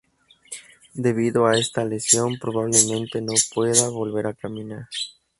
Debido a esta lesión probablemente no pueda volver a caminar.